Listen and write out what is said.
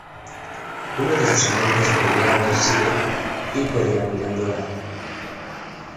Uno de sus amantes podría haber sido Pico della Mirandola.